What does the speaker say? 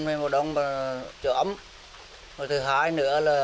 che chắn chuồn chạy kinh đáo